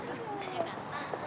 よかった。